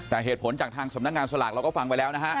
แต่เหตุผลจากทางสำนักงานสลากเราก็ฟังไปแล้วนะฮะ